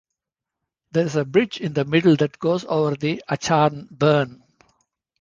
There is a bridge in the middle that goes over the Acharn burn.